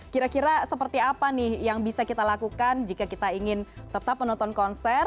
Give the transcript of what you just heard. kira kira seperti apa nih yang bisa kita lakukan jika kita ingin tetap menonton konser